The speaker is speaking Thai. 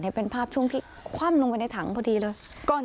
เป็นภาพช่วงที่คว่ำลงไปในถังพอดีเลย